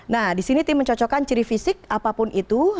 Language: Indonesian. nah di sini tim mencocokkan ciri fisik apapun itu